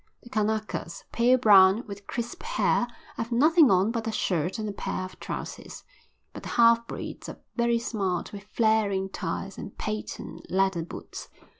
The Kanakas, pale brown, with crisp hair, have nothing on but a shirt and a pair of trousers; but the half breeds are very smart with flaring ties and patent leather boots.